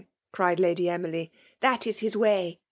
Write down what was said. " cried Lady IImil}\ " That is his way.